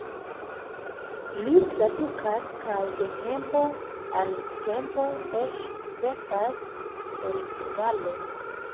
Li tradukas kaj de tempo al tempo eĉ verkas originale.